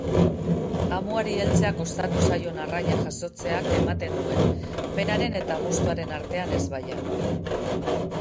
Amuari heltzea kostatu zaion arraina jasotzeak ematen duen penaren eta gustuaren artean ezbaian.